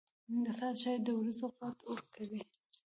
• د سهار چای د ورځې قوت ورکوي.